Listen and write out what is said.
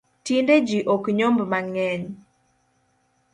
Tinde jii ok nyomb mangeny